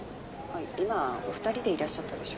今お二人でいらっしゃったでしょ。